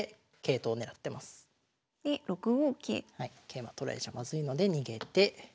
桂馬取られちゃまずいので逃げて。